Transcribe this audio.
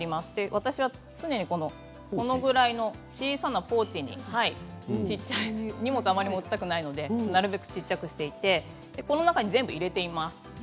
私は常に、これぐらいの小さなポーチにあまり荷物は持ちたくないのでなるべく小さくしていてこの中に全部入れています。